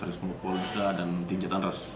rizwan bukwur dan tim jatandras